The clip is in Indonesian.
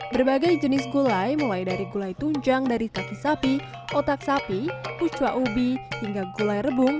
berbagai jenis gulai mulai dari gulai tunjang dari kaki sapi otak sapi pucua ubi hingga gulai rebung